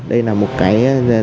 đây là một cái